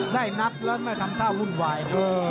ได้นับแล้วไม่ทำท่าวุ่นวายด้วย